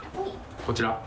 こちら。